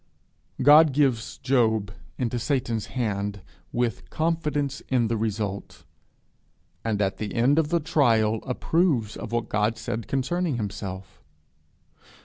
God gives Job into Satan's hand with confidence in the result; and at the end of the trial approves of what Job has said concerning himself.